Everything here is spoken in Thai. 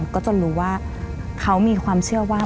ก็จนรู้ว่าเขามีความเชื่อว่า